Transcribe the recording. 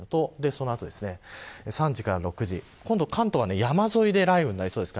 その後、３時から６時関東は山沿いで雷雨になりそうです。